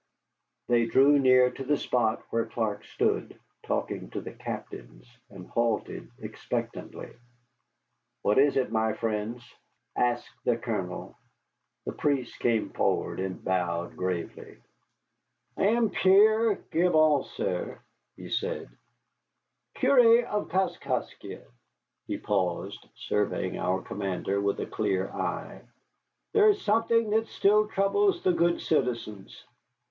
They drew near to the spot where Clark stood, talking to the captains, and halted expectantly. "What is it, my friends?" asked the Colonel. The priest came forward and bowed gravely. "I am Père Gibault, sir," he said, "curé of Kaskaskia." He paused, surveying our commander with a clear eye. "There is something that still troubles the good citizens."